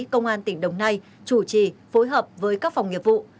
công an tỉnh đồng nai chủ trì phối hợp với các phòng nghiệp vụ